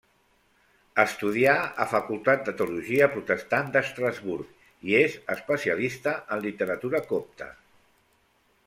Estudià a Facultat de Teologia Protestant d'Estrasburg i és especialista en literatura copta.